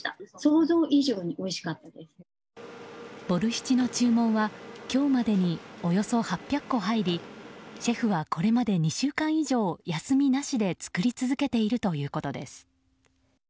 ボルシチの注文は今日までに、およそ８００個入りシェフはこれまで２週間以上休みなしで作り続けているということです。